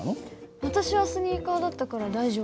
私はスニーカーだったから大丈夫。